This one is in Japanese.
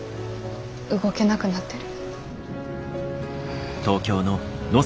動けなくなってる。